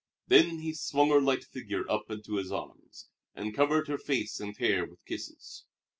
Then he swung her light figure up into his arms, and covered her face and hair with kisses.